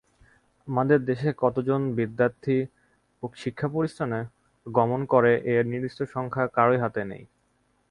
আমাদের দেশে কতজন বিদ্যার্থী শিক্ষাপ্রতিষ্ঠানে গমন করে—এর নির্দিষ্ট সংখ্যা কারও হাতেই নেই।